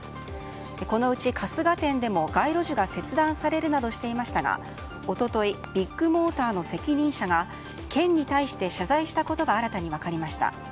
このうち春日店でも、街路樹が切断されるなどしていましたが一昨日ビッグモーターの責任者が県に対して謝罪したことが新たに分かりました。